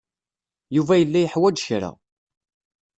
Yuba yella yeḥwaj kra.